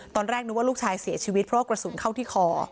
ตอนแรกนึกว่าลูกชายเสียชีวิตเพราะว่ากระสุนเข้าที่คอ